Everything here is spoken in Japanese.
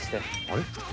あれ？